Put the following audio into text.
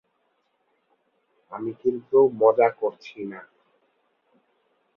আমি কিন্তু মজা করছি না।